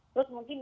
terus mungkin ada